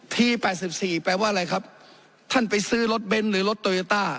แปดสิบสี่แปลว่าอะไรครับท่านไปซื้อรถเบนท์หรือรถโตโยต้า